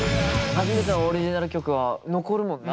初めてのオリジナル曲は残るもんな。